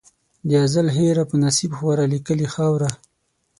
د ازل هېره په نصیب خواره لیکلې خاوره